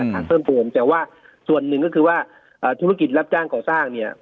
ทางเพิ่มเติมแต่ว่าส่วนหนึ่งก็คือว่าธุรกิจรับจ้างก่อสร้างเนี่ย